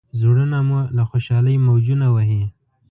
زړونه مو له خوشالۍ موجونه وهي.